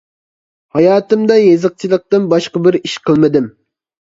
ھاياتىمدا يېزىقچىلىقتىن باشقا بىر ئىش قىلمىدىم.